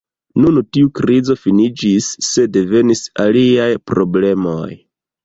Nun tiu krizo finiĝis, sed venis aliaj problemoj.